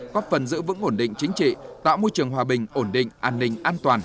góp phần giữ vững ổn định chính trị tạo môi trường hòa bình ổn định an ninh an toàn